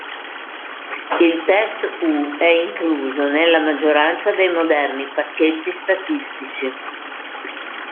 Il test "U" è incluso nella maggioranza dei moderni pacchetti statistici.